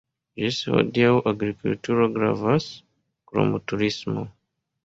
Ĝis hodiaŭ agrikulturo gravas, krom turismo.